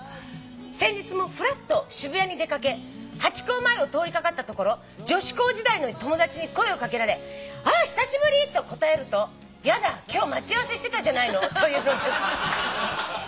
「先日もふらっと渋谷に出掛けハチ公前を通り掛かったところ女子校時代の友達に声を掛けられ『あっ久しぶり！』と答えると『やだ。今日待ち合わせしてたじゃないの』と言うのです」